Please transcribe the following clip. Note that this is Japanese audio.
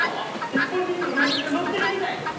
日本人の論文が載ってるみたい！